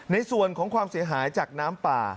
ในส่วนของความเสียหายจากน้ำป่า